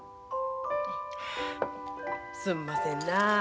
すんませんな。